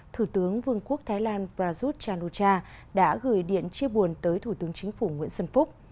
thủ tướng vương quốc thái lan prajut chanucha đã gửi điện chia buồn tới thủ tướng chính phủ nguyễn xuân phúc